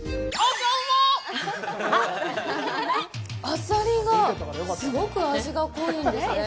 あさりがすごく味が濃いんですね。